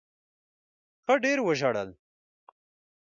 ښه ډېر وژړل.